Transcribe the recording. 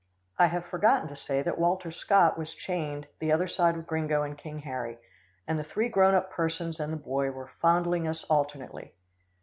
I have forgotten to say that Walter Scott was chained the other side of Gringo and King Harry, and the three grown up persons and the boy were fondling us alternately.